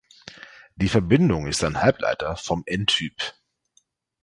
Die Verbindung ist ein Halbleiter vom n-Typ.